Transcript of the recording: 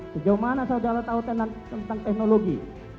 sejauh mana saudara tahu tentang teknologi